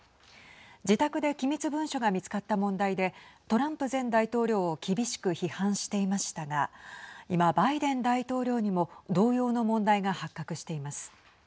自宅で機密文書が見つかった問題でトランプ前大統領を厳しく批判していましたが今、バイデン大統領にも同様の問題が発覚しています。